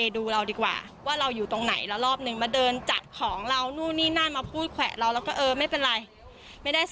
ดูเราก็ได้